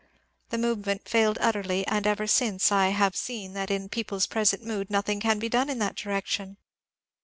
The move ment failed utterly ; and ever since I have seen that in peo ple's present mood nothing can be done in that direction.